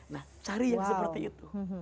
nah cari yang seperti itu